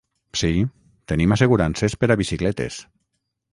Sí, tenim assegurances per a bicicletes.